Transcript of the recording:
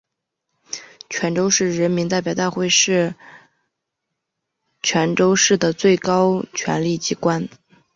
泉州市人民代表大会是泉州市的最高权力机关。